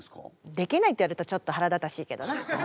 できないって言われるとちょっと腹立たしいけどな。